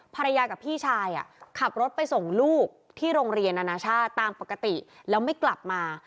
ภรรยากับพี่ชายขับรถไปส่งลูกที่โรงเรียนนานาชาติตามปกติแล้วไม่กลับมา